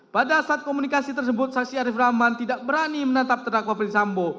pada saat komunikasi tersebut saksi arief rahman tidak berani menatap terdakwa ferdisambo